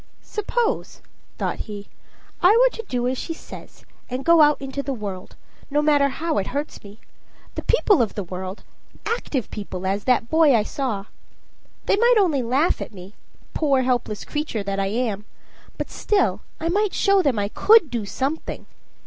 "Suppose," thought he, "I were to do as she says, and go out in the world, no matter how it hurts me the world of people, active people, as that boy I saw. They might only laugh at me poor helpless creature that I am; but still I might show them I could do something.